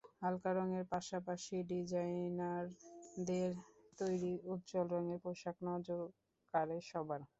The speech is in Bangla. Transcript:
হালকা রঙের পাশাপাশি ডিজাইনারদের তৈরি উজ্জ্বল রঙের পোশাক নজর কাড়ে সবার।